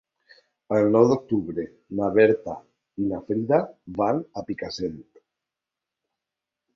El nou d'octubre na Berta i na Frida van a Picassent.